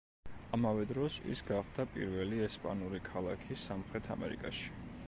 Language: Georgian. ამავე დროს ის გახდა პირველი ესპანური ქალაქი სამხრეთ ამერიკაში.